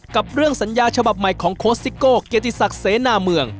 กับเรื่องสัญญาฉบับใหม่ของโค้ชซิโก้เกียรติศักดิ์เสนาเมือง